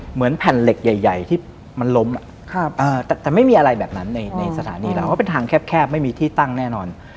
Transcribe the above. เหมือนแผ่นเหล็กใหญ่ที่มันล้มแต่ไม่มีอะไรแบบนั้นในสถานีเราเพราะเป็นทางแคบไม่มีที่ตั้งแน่นอน